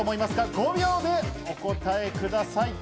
５秒でお答えください。